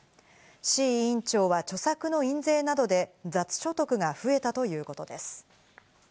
志位委員長は著作の印税などで雑所得が増えたということです。